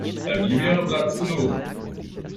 Bei mir wäre Platz genug.